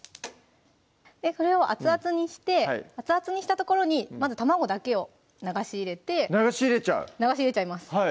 それを熱々にして熱々にしたところにまず卵だけを流し入れて流し入れちゃう流し入れちゃいます